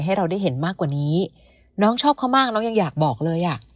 ให้เราได้เห็นมากกว่านี้น้องชอบเขามากน้องยังอยากบอกเลยอ่ะ